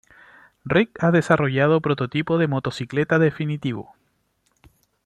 Rick ha desarrollado prototipo de motocicleta definitivo.